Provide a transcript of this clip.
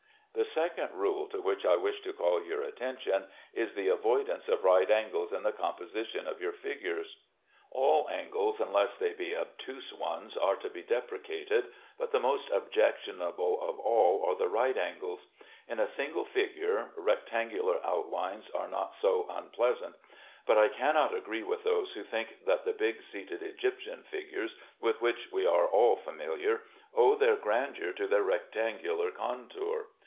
The second rule to which I wish to call your attention is the avoidance of right angles in the composition of your figures. All angles, unless they be obtuse ones, are to be deprecated, but the most objectionable of all are the right angles. In a single figure, rectangular outlines are not so unpleasant, but I cannot agree with those who think that the big seated Egyptian figures with which we are all familiar, owe their grandeur to their rectangular contour.